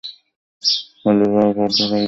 বাল্যবিবাহ প্রথা রহিত করিতেই হইবে।